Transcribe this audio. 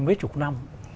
mấy chục năm